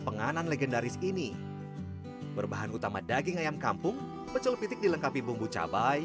penganan legendaris ini berbahan utama daging ayam kampung pecel pitik dilengkapi bumbu cabai